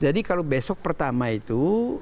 jadi kalau besok pertama itu